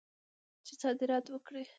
چې صادرات وکړي.